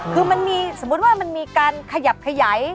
คือมันมีสมมุติว่ามันมีการขยับขยาย